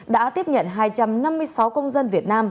đã tiếp nhận hai trăm năm mươi sáu công dân việt nam